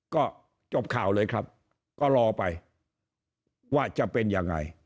ก็จบข่าวเลยครับก็รอไปว่าจะเป็นยังไง